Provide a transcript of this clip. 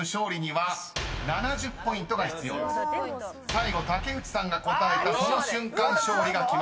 ［最後竹内さんが答えたその瞬間勝利が決まります］